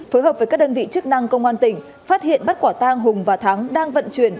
phối hợp với các đơn vị chức năng công an tỉnh phát hiện bắt quả tang hùng và thắng đang vận chuyển